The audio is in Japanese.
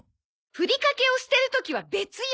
ふりかけを捨てる時は別よ！